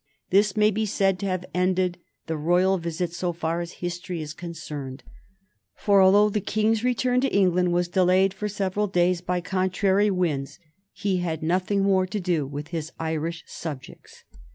This may be said to have ended the royal visit so far as history is concerned, for, although the King's return to England was delayed for several days by contrary winds, he had nothing more to do with his Irish subjects.